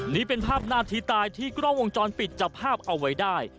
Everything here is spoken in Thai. นี่เป็นภาพหน้าที่ตายที่กล้องวงจรปิดจับภาพเอาไว้ได้